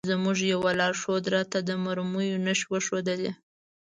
زموږ یوه لارښود راته د مرمیو نښې وښودلې.